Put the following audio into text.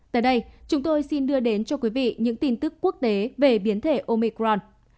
tới đây chúng tôi xin đưa đến cho quý vị những tin tức quốc tế về biến thể omicron